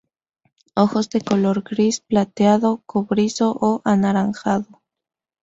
Ojos de color gris plateado, cobrizo o anaranjado.